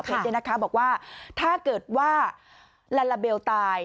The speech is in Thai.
เพชรเนี่ยนะคะบอกว่าถ้าเกิดว่าลาลาเบลตาย